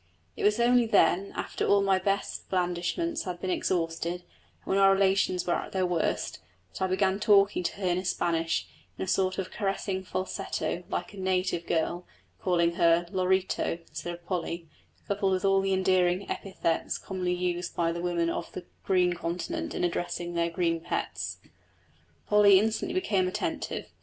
It was only then, after all my best blandishments had been exhausted, and when our relations were at their worst, that I began talking to her in Spanish, in a sort of caressing falsetto like a "native" girl, calling her "Lorito" instead of Polly, coupled with all the endearing epithets commonly used by the women of the green continent in addressing their green pets. Polly instantly became attentive.